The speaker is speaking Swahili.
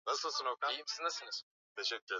i wasi wasi wangu ni kama ni kama yale makubaliano